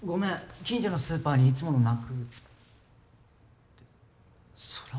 近所のスーパーにいつものなく空豆？